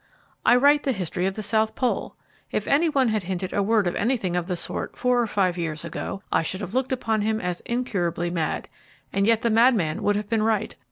I write the history of the South Pole! If anyone had hinted a word of anything of the sort four or five years ago, I should have looked upon him as incurably mad. And yet the madman would have been right.